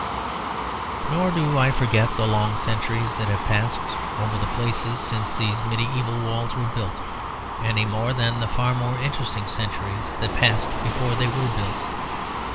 Nor do I forget the long centuries that have passed over the place since these medieval walls were built, any more than the far more interesting centuries that passed before they were built.